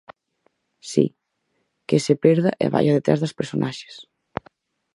Si, que se perda e vaia detrás das personaxes.